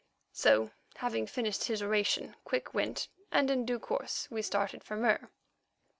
So, having finished his oration, Quick went, and in due course we started for Mur.